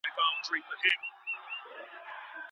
ولي محنتي ځوان د ذهین سړي په پرتله خنډونه ماتوي؟